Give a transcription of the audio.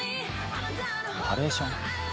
ハレーション？